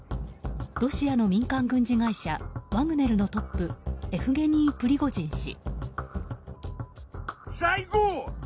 ロシアの民間軍事会社ワグネルのトップエフゲニー・プリゴジン氏。